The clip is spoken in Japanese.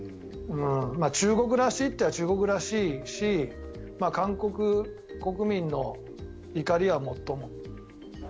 中国らしいと言ったら中国らしいし韓国国民の怒りはもっとも。